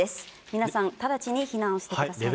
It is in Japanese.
皆さん直ちに避難してください。